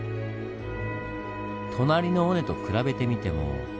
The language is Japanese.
隣の尾根と比べてみても。